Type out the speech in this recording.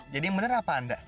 jadi yang benar apa anda